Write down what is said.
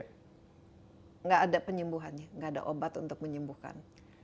tidak ada penyembuhannya nggak ada obat untuk menyembuhkan